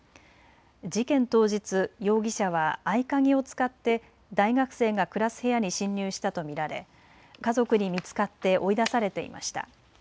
事件当日、容疑者は合鍵を使って大学生が暮らす部屋に侵入したと見られ、家族に見つかって追い出されていました。